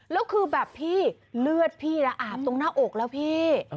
แล้วคือแบบพี่เลือดพี่ละอาบตรงหน้าอกแล้วพี่